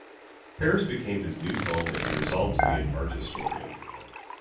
Paris became his new home and he resolved to be an art historian.